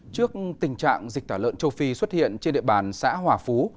trước tình trạng dịch tả lợn châu phi xuất hiện trên địa bàn xã hòa phú